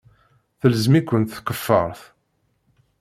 Telzem-ikent tkeffart.